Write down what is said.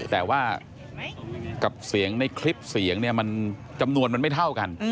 แต่ว่ากับเสียงในคลิปเสียงเนี่ยมันจำนวนมันไม่เท่ากัน